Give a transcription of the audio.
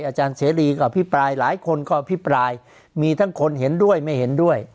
อาจารย์เสรีก็อภิปรายหลายคนก็อภิปรายมีทั้งคนเห็นด้วยไม่เห็นด้วย